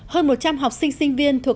hơn một trăm linh học sinh sinh viên thuộc